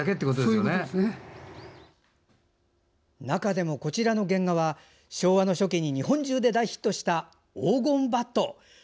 中でも、こちらの原画は昭和の初期に、日本中で大ヒットした「黄金バット」。